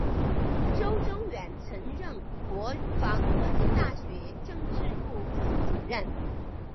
邹征远曾任国防科技大学政治部副主任。